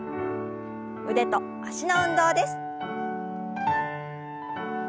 腕と脚の運動です。